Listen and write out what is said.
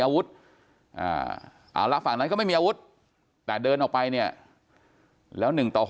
อาวุธเอาละฝั่งนั้นก็ไม่มีอาวุธแต่เดินออกไปเนี่ยแล้ว๑ต่อ๖